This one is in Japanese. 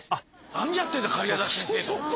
何やってんだ假屋崎先生と。